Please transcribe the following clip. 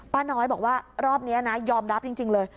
ป้าน้อยบอกว่ารอบนี้นะยอมรับจริงเลย